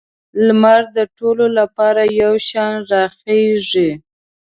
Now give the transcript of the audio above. لمر د ټولو لپاره یو شان راخیږي.